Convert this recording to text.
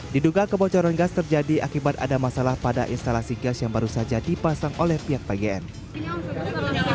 diduga kebocoran gas terjadi akibat ada masalah pada instalasi gas yang baru saja dipasang oleh pihak pgn